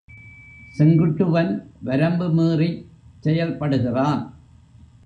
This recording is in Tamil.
செங்குட்டுவன் வரம்பு மீறிச் செயல்படுகின்றான்.